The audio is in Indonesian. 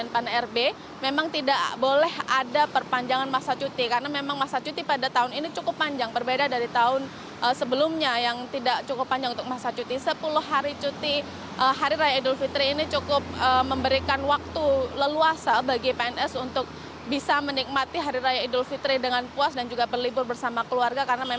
pemprof jawa timur